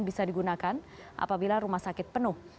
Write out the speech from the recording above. bisa digunakan apabila rumah sakit penuh